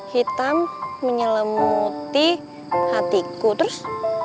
hitam menyelimuti hatiku terus